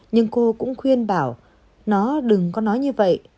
nhưng cô cũng khuyên bảo nó đừng có nói như vậy